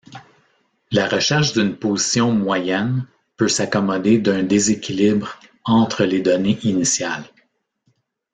La recherche d’une position moyenne peut s’accommoder d’un déséquilibre entre les données initiales.